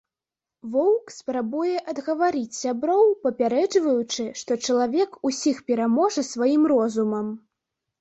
Воўк спрабуе адгаварыць сяброў, папярэджваючы, што чалавек усіх пераможа сваім розумам.